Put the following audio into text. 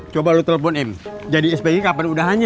coba lu telepon im jadi sbg kapan udah hanya